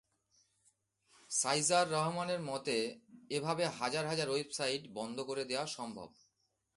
সাইজার রহমানের মতে, এভাবে হাজার হাজার ওয়েবসাইট বন্ধ করে দেওয়া সম্ভব।